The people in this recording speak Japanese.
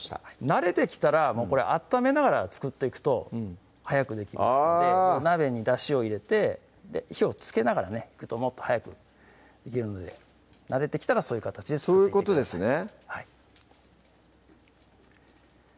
慣れてきたら温めながら作っていくと早くできますのでお鍋にだしを入れて火をつけながらいくともっと早くいけるので慣れてきたらそういう形でそういうことですね